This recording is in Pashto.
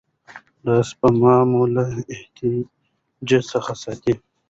دا سپما مو له احتیاج څخه ساتي.